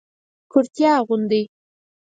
کرتي اغوندئ